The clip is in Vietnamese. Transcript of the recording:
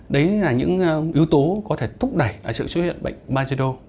đấy là những yếu tố có thể thúc đẩy sự xuất hiện bệnh bajedo